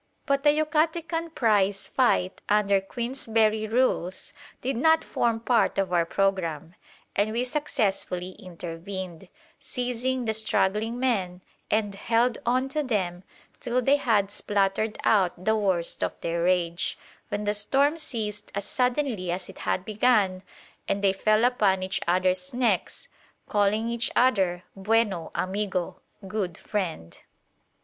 But a Yucatecan prize fight under Queensberry rules did not form part of our programme, and we successfully intervened, seizing the struggling men, and held on to them till they had spluttered out the worst of their rage, when the storm ceased as suddenly as it had begun and they fell upon each other's necks, calling each other "bueno amigo" (good friend).